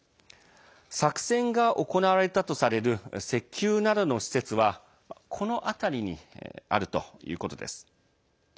作戦が行われたとされる石油などの施設はこの辺りにあるということです。